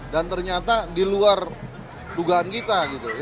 dan ternyata di luar dugaan kita